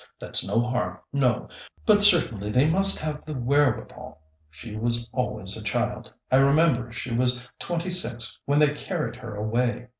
That's no harm, no; but certainly they must have the wherewithal. She was always a child. I remember she was twenty six when they carried her away.